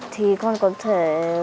thì con có thể